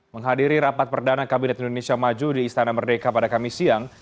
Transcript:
menghadiri rapat perdana kabinet indonesia maju di istana merdeka pada kamis siang